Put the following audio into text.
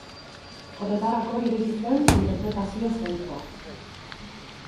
Horretarako ireki zen interpretazio zentroa.